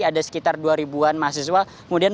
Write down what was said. ada sekitar dua ribuan mahasiswa kemudian